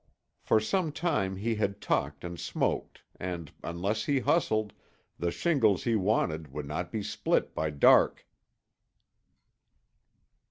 For some time he had talked and smoked and, unless he hustled, the shingles he wanted would not be split by dark.